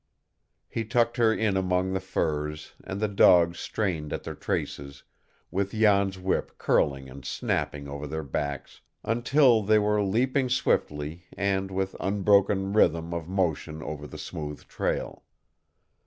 He tucked her in among the furs, and the dogs strained at their traces, with Jan's whip curling and snapping over their backs, until they were leaping swiftly and with unbroken rhythm of motion over the smooth trail.